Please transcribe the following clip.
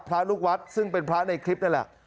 พระลูกวัดซึ่งเป็นพระในคลิปนั่นแหละ